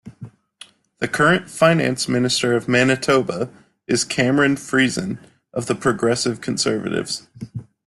The current Finance Minister of Manitoba is Cameron Friesen of the Progressive Conservatives.